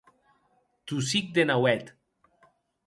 Tossic de nauèth.